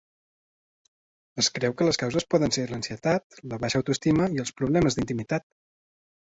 Es creu que les causes poden ser l"ansietat, la baixa auto-estima i els problemes d"intimitat.